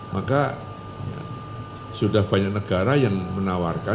maka sudah banyak negara yang menawarkan